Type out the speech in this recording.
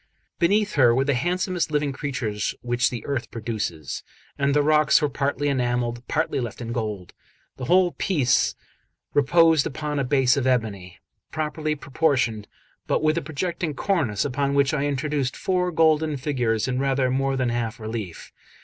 Beneath her were the handsomest living creatures which the earth produces; and the rocks were partly enamelled, partly left in gold. The whole piece reposed upon a base of ebony, properly proportioned, but with a projecting cornice, upon which I introduced four golden figures in rather more than half relief.